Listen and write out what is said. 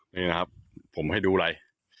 นี่นะครับผมให้ดูเลย